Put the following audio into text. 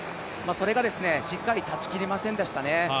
それがしっかり立ち切りませんでしたね。